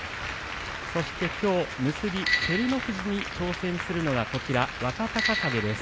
そして、きょう結び照ノ富士に挑戦するのが若隆景です。